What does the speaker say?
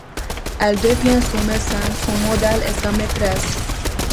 Elle devient son mécène, son modèle et sa maîtresse...